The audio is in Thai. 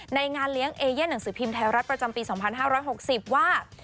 ในงานเลี้ยงเอเย่นหนังสือพิมพ์ไทยรัฐประจำปี๒๕๖๐ว่า